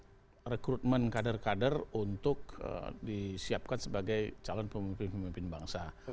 dan juga rekrutmen kader kader untuk disiapkan sebagai calon pemimpin pemimpin bangsa